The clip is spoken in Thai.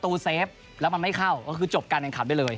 ก็คือประตูเซฟแล้วมันไม่เข้าก็คือจบการการคันได้เลย